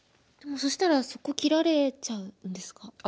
でもそしたらそこ切られちゃうんですか？